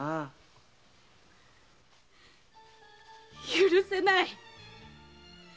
許せない！